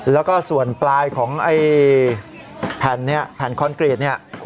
แล้วก็สวนปลายผมแผ่นคอนกรีต